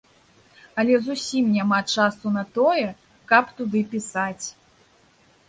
Але зусім няма часу на тое, каб туды пісаць!